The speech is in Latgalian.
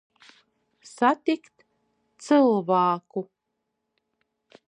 Satikt cylvāku.